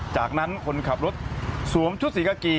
จากนั้นคนขับรถสวมชุดสีกากี